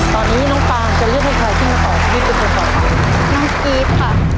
ตอนนี้น้องปางจะเลือกให้ใครที่จะตอบนี่คือคนของเรา